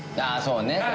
ああそうね。